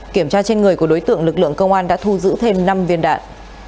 kiểm tra trên người của đối tượng lực lượng công an đã thu giữ thêm năm viên đạn